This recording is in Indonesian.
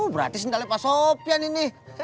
berarti sendalnya pak sopian ini